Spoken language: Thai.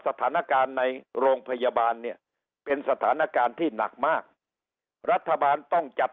สถานการณ์ในโรงพยาบาลเนี่ยเป็นสถานการณ์ที่หนักมากรัฐบาลต้องจัด